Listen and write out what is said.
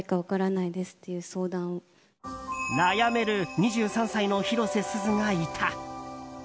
悩める２３歳の広瀬すずがいた。